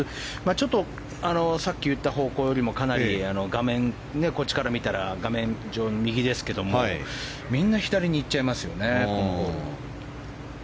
ちょっとさっき言った方向よりも、かなりこっちから見たら画面上、右ですけどみんな左に行っちゃいますよね。